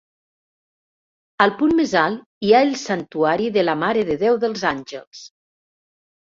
Al punt més alt hi ha el Santuari de la Mare de Déu dels Àngels.